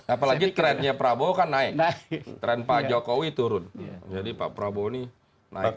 apalagi trennya prabowo kan naik tren pak jokowi turun jadi pak prabowo ini naik